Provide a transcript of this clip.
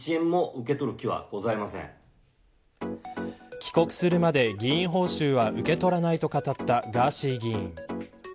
帰国するまで議員報酬は受け取らないと語ったガーシー議員。